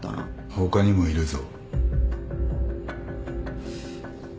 他にもいるぞ。